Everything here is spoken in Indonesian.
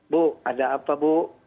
bu ada apa bu